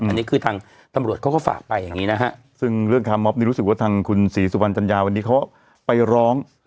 อันนี้คือทางตำรวจเขาก็ฝากไปอย่างนี้นะฮะซึ่งเรื่องคาร์มอบนี่รู้สึกว่าทางคุณศรีสุวรรณจัญญาวันนี้เขาไปร้อง